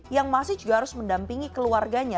yang masih juga harus mendampingi keluarganya